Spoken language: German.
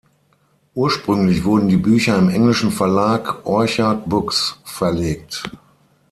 Ursprünglich wurden die Bücher im englischen Verlag "Orchard Books" verlegt.